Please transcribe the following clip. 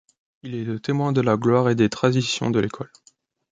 Il est le témoin de la gloire et des traditions de l'école.